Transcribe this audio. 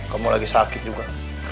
kamu lagi sakit juga